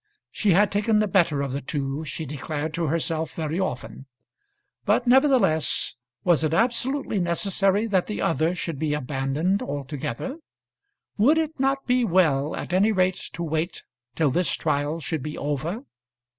She had taken the better of the two, she declared to herself very often; but nevertheless was it absolutely necessary that the other should be abandoned altogether? Would it not be well at any rate to wait till this trial should be over?